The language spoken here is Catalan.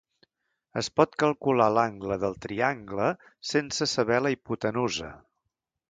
Es pot calcular l'angle del triangle sense saber la hipotenusa.